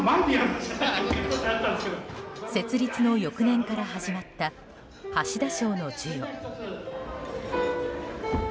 設立の翌年から始まった橋田賞の授与。